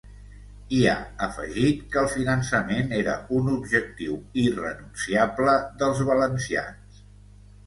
I ha afegit que el finançament era un objectiu irrenunciable dels valencians.